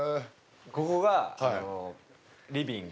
ここがリビング。